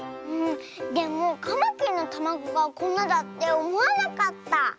でもカマキリのたまごがこんなだっておもわなかった。